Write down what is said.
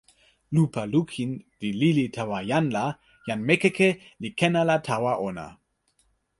lupa lukin li lili tawa jan la, jan Mekeke li ken ala tawa ona.